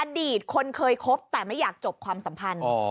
อดีตคนเคยคบแต่ไม่อยากจบความสัมพันธ์